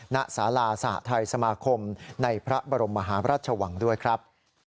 ณสาราสหทัยสมาคมในพระบรมมหาพระราชวังด้วยครับ